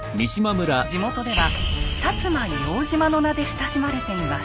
地元では「摩硫黄島」の名で親しまれています。